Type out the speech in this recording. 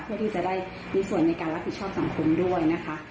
เพื่อที่จะได้มีส่วนในการรับผิดชอบสังคมด้วยนะคะ